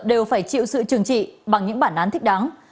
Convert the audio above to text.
đều phải chịu sự trừng trị bằng những bản án thích đáng